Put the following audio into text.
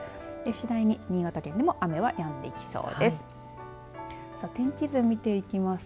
次第に新潟県でも雨はやんできそうです。